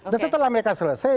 dan setelah mereka selesai